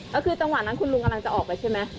แล้วคือจังหวะนั้นคุณลุงกำลังจะออกไปใช่ไหม